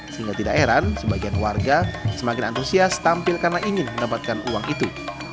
sehingga tidak heran sebagian warga semakin antusias tampil karena ingin mendapatkan uang itu